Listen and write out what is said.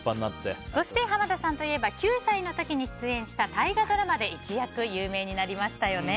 そして、濱田さんといえば９歳の時に出演した大河ドラマで一躍有名になりましたよね。